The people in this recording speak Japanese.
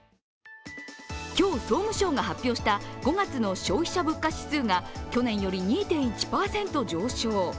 今日、総務省が発表した５月の消費者物価指数が去年より２．１％上昇。